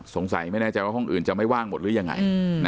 สงสัยไม่แน่ใจว่าห้องอื่นจะไม่ว่างหมดหรือยังไง